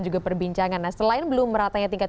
juga perbincangan nah selain belum meratanya tingkat